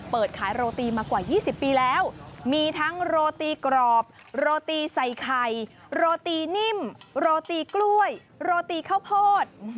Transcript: เปิดขายโรตีมากว่า๒๐ปีแล้วมีทั้งโรตีกรอบโรตีใส่ไข่โรตีนิ่มโรตีกล้วยโรตีข้าวโพด